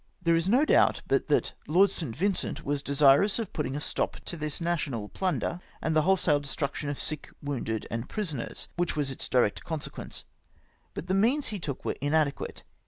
'' There is no doubt but that Lord St. Vincent was desirous of putting a stop to this national plunder, and the wholesale destruction of sick, wounded, and pri soners, which was its direct consequence ; but the means he took were inadequate.